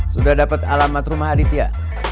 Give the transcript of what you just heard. sudah dapat alamat rumah aditya